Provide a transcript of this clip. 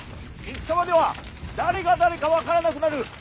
戦場では誰が誰か分からなくなる。